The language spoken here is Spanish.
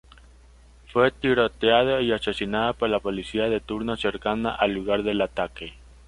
Fue tiroteado y asesinado por la policía de turno cercana al lugar del ataque.